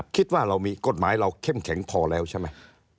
คิดว่าเรามีกฎหมายเราเข้มแข็งพอแล้วใช่ไหม